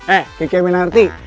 eh kiki aminarti